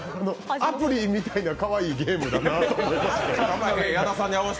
アプリみたいなかわいいゲームだなと思いまして。